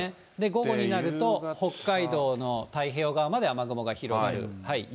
午後になると北海道の太平洋側まで雨雲が広がる。